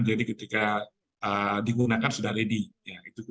jadi ketika digunakan sudah ready